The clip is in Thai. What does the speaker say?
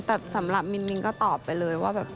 แต่สำหรับมินก็ตอบไปเลยว่าแบบ